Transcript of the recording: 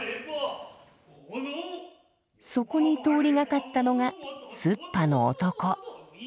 そこに通りがかったのがすっぱの男。